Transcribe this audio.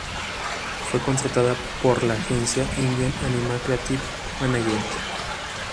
Fue contratada por la agencia indian Anima Creative Management.